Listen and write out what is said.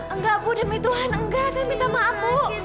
enggak bu demi tuhan enggak saya minta maaf bu